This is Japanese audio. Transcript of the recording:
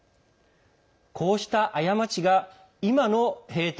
こうした過ちが今のヘイト